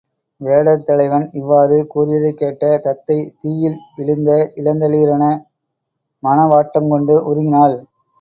வேடர் தலைவன் இவ்வாறு கூறியதைக் கேட்ட தத்தை, தீயில் விழுந்த இளந்தளிரென மணவாட்டங் கொண்டு உருகினாள்.